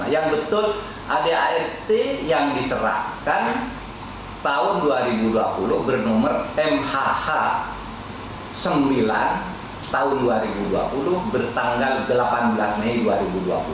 yang betul adart yang diserahkan tahun dua ribu dua puluh bernomor mhh sembilan tahun dua ribu dua puluh bertanggal delapan belas mei dua ribu dua puluh